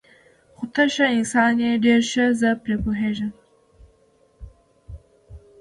خو ته ښه انسان یې، ډېر ښه، زه پرې پوهېږم.